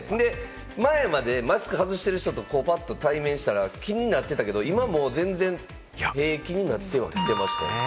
前はね、マスク外してる人とぱっと対面したら気になってたけれども、今もう全然、平気になってはきてます。